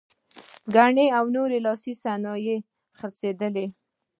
ګاڼې او نور لاسي صنایع یې خرڅېدل.